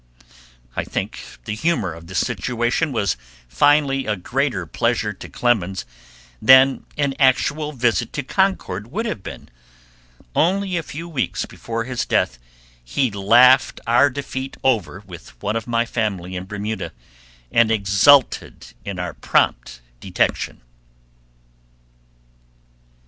I think the humor of this situation was finally a greater pleasure to Clemens than an actual visit to Concord would have been; only a few weeks before his death he laughed our defeat over with one of my family in Bermuda, and exulted in our prompt detection.